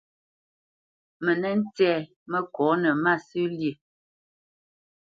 Mə nə́ ntsɛ́ məkónə masə̂ lí.